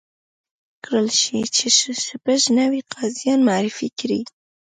واک ورکړل شي چې شپږ نوي قاضیان معرفي کړي.